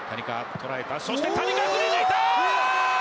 捉えた、そして谷川振り抜いた！